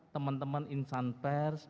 teman teman insan pers